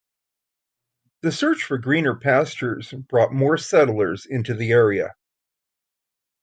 The search for greener pastures brought more settlers into the area.